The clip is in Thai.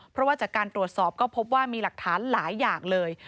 เพราะว่าจากการตรวจสอบก็พบว่ามีหลักฐานหลายอย่างเลย